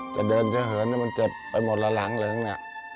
จะเดินเฉอะเหินก็มันเจ็บไปหมดละหลัง